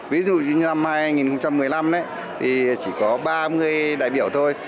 ví dụ như năm hai nghìn một mươi năm thì chỉ có ba mươi đại biểu thôi